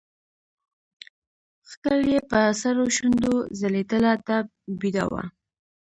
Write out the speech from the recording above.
ښکل يې په سرو شونډو ځلېدله دا بېده وه.